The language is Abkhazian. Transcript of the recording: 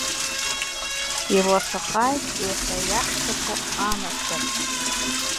Илашахааит иахьа иаҳчаԥо анасыԥ!